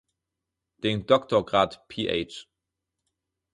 Den Doktorgrad Ph.